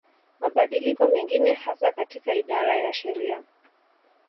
Mabadiliko mengine hasa katika idara ya sheria